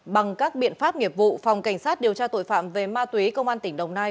bằng các biện pháp nghiệp vụ phòng cảnh sát điều tra tội phạm về ma túy công an tỉnh đồng nai